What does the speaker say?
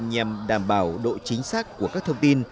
nhằm đảm bảo độ chính xác của các thông tin